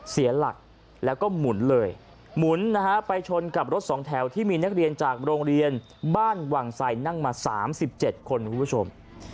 เสียหลักแล้วก็หมุนเลยหมุนนะฮะไปชนกับรถสองแถวที่มีนักเรียนจากโรงเรียนบ้านวังไสนั่งมา๓๗คนคุณผู้ชม